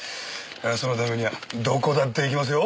そのためにはどこだって行きますよ。